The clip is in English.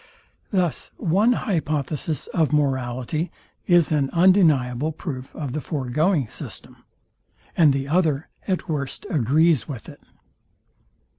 Thus one hypothesis of morality is an undeniable proof of the foregoing system, and the other at worst agrees with it.